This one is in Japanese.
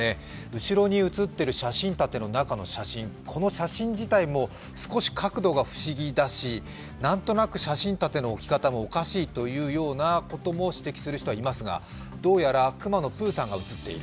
後ろに写ってる写真立ての中の写真、この写真自体も少し角度が不思議だし、なんとなく写真立ての置き方もおかしいことを指摘する人はいますが、どうやらクマのプーさんが映っている。